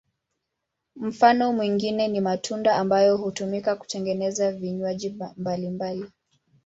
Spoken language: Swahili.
Mfano mwingine ni matunda ambayo hutumika kutengeneza vinywaji mbalimbali.